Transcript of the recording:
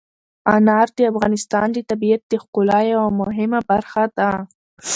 انار د افغانستان د طبیعت د ښکلا یوه مهمه برخه ده.